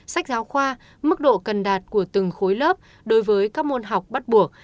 sách giáo khoa mức độ cần đạt của từng khối lớp đối với các môn học bắt buộc